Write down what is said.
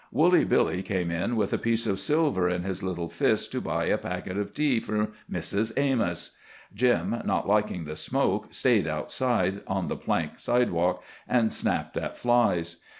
Woolly Billy came in with a piece of silver in his little fist to buy a packet of tea for Mrs. Amos. Jim, not liking the smoke, stayed outside on the plank sidewalk, and snapped at flies.